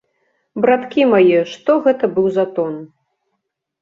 Браткі мае, што гэта быў за тон!